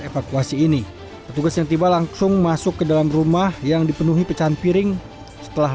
evakuasi ini petugas yang tiba langsung masuk ke dalam rumah yang dipenuhi pecahan piring setelah